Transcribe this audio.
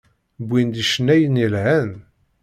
Wwin-d icennayen yelhan.